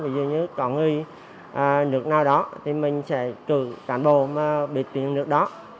ví dụ như có người nước nào đó thì mình sẽ cử cán bộ bị tiền nước đó